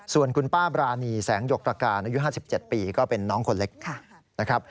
ส่วนคุณป้าบรานีแสงหยกตรการอายุ๕๗ปีก็เป็นน้องคนเล็กนะครับ